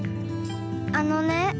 あのね。